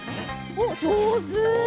おっじょうず！